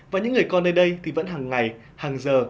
và những người con nơi đây thì vẫn hàng ngày hàng giờ